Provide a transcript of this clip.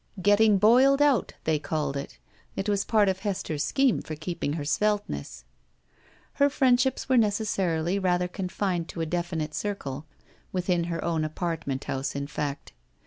"Getting boiled out," they called it. It was part of Hester's scheme for keeping her sveltness. 70 BACK PAY Her friendships were necessarily rather confined to a definite circle — ^within her own apartment house, in fact.